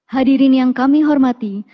hadirin yang kami hormati